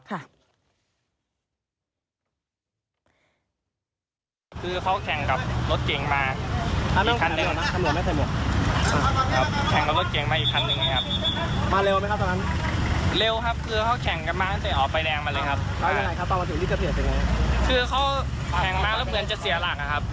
คือเขาแข่งมาแล้วเหมือนจะเสียหลักนะครับ